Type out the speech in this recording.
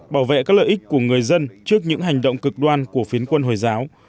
bảo vệ các lợi ích của người dân trước những hành động cực đoan của phiến quân hồi giáo